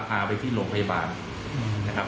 พาไปที่โรงพยาบาล